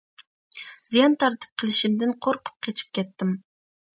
زىيان تارتىپ قېلىشىمدىن قورقۇپ قېچىپ كەتتىم.